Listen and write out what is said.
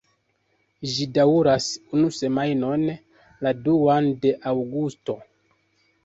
Ĝi daŭras unu semajnon, la duan de aŭgusto.